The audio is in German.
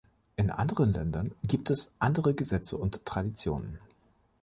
In anderen Ländern gibt es andere Gesetze und Traditionen.